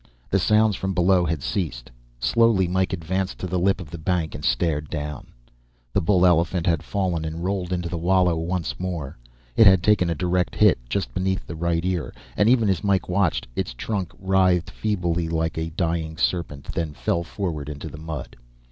The sounds from below had ceased. Slowly, Mike advanced to the lip of the bank and stared down. The bull elephant had fallen and rolled into the wallow once more. It had taken a direct hit, just beneath the right ear, and even as Mike watched, its trunk writhed feebly like a dying serpent, then fell forward into the mud.